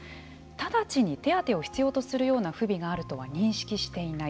直ちに手当てを必要とする不備があるとは認識していない。